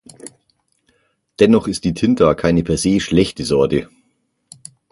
Dennoch ist die Tinta keine per se „schlechte“ Sorte.